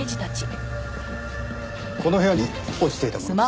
この部屋に落ちていたものです。